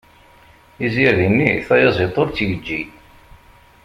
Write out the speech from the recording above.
Izirdi-nni tayaziḍt ur tt-yeǧǧi.